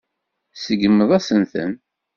Tseggmeḍ-asent-ten.